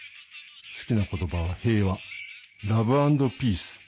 好きな言葉は平和ラブアンドピース